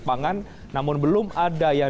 pangan namun belum ada yang